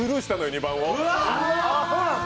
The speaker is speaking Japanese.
２番を。